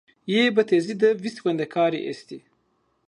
Yê bitezî de vîst wendekarî est ê